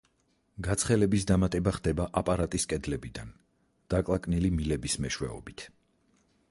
გაცხელების დამატება ხდება აპარატის კედლებიდან, დაკლაკნილი მილების მეშვეობით.